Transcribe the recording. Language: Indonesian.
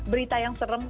berita yang serem